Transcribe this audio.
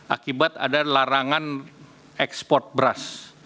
akibat ada larangan ekspor beras